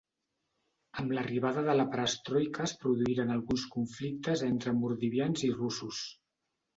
Amb l'arribada de la perestroika es produïren alguns conflictes entre mordovians i russos.